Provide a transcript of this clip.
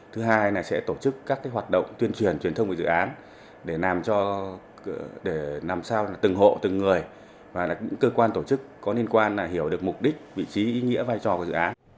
thứ hai là sẽ tổ chức các hoạt động tuyên truyền truyền thông về dự án để làm cho để làm sao từng hộ từng người và những cơ quan tổ chức có liên quan hiểu được mục đích vị trí ý nghĩa vai trò của dự án